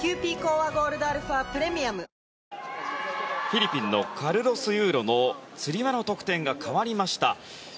フィリピンのカルロス・ユーロのつり輪の得点が変わりました。